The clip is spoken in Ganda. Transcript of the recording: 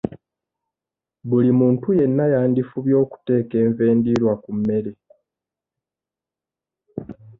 Buli muntu yenna yandifubye okuteeka enva endiirwa ku mmere.